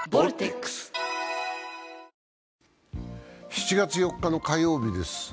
７月４日の火曜日です。